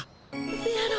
せやろ。